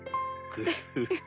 クフフフ。